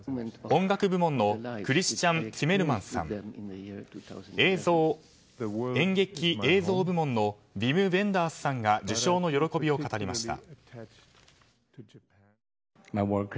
音楽部門のクリスチャン・ツィメルマンさん演劇・映像部門のヴィム・ヴェンダースさんが受賞の喜びを語りました。